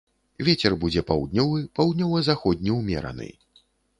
Вецер будзе паўднёвы, паўднёва-заходні ўмераны.